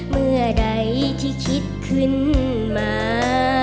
เมื่อใดที่คิดขึ้นมา